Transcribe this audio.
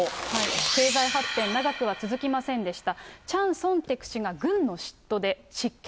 経済発展、長くは続きませんでした。